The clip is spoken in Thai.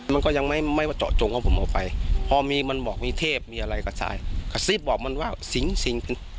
มันก็ยังไม่ไม่ว่าเจาะจงว่าผมเอาไปพอมีมันบอกมีเทพมีอะไรกระสายกระซิบบอกมันว่าสิงสิงเป็น